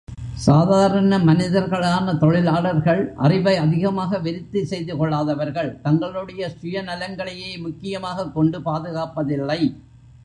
சாதாரண மனிதர்களான தொழிலாளர்கள், அறிவை அதிகமாக விருத்தி செய்துகொள்ளாதவர்கள், தங்களுடைய சுய நலங்களையே முக்கியமாகக் கொண்டு பாதுகாப்பதில்லை.